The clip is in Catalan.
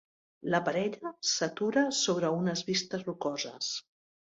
La parella s'atura sobre unes vistes rocoses.